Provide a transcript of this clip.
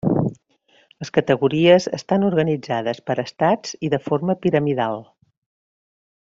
Les categories estan organitzades per estats i de forma piramidal.